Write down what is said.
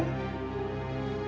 ibu kandung naura itu masih hidup